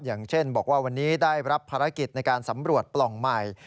อย่างเช่นบอกว่าวันนี้ได้รับภารกิจในการสำรวจปล่องใหม่